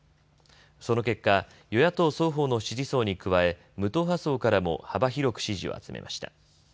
その結果、与野党双方の支持層に加え、無党派層からも幅広く支持を集めました。